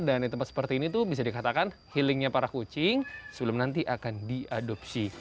dan di tempat seperti ini tuh bisa dikatakan healingnya para kucing sebelum nanti akan diadopsi